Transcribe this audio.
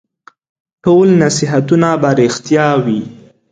ټول نصیحتونه به رېښتیا وي ؟